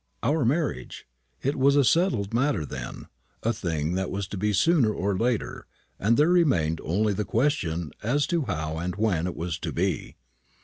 "Our marriage!" It was a settled matter, then a thing that was to be sooner or later; and there remained only the question as to how and when it was to be.